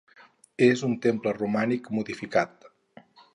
És un temple romànic modificat.